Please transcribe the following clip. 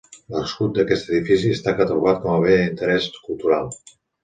L'escut d'aquest edifici està catalogat com bé d'interès cultural.